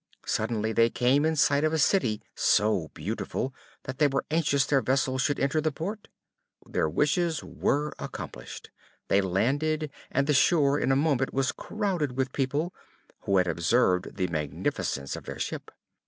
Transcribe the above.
Suddenly they came in sight of a city so beautiful that they were anxious their vessel should enter the port. Their wishes were accomplished; they landed, and the shore in a moment was crowded with people, who had observed the magnificence of their ship.